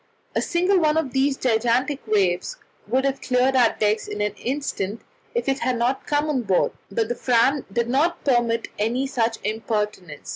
A single one of these gigantic waves would have cleared our decks in an instant if it had come on board, but the Fram did not permit any such impertinence.